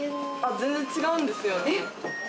全然違うんですよ。